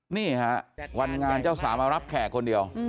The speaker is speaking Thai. นี่ฮะวันงานเจ้าสาวมารับแขกคนเดียว